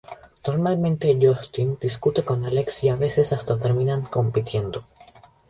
Normalmente Justin discute con Alex y, a veces hasta terminan compitiendo.